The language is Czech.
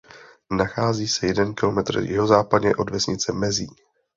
Nachází se jeden kilometr jihozápadně od vesnice Mezí.